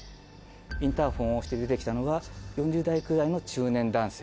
インターフォンを押して出てきたのが４０代くらいの中年男性。